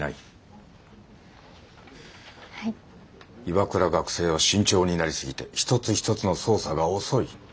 岩倉学生は慎重になり過ぎて一つ一つの操作が遅い。